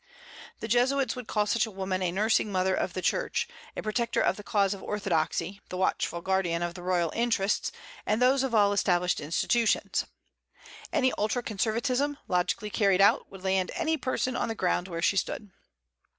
The Jesuits would call such a woman a nursing mother of the Church, a protector of the cause of orthodoxy, the watchful guardian of the royal interests and those of all established institutions. Any ultra conservatism, logically carried out, would land any person on the ground where she stood.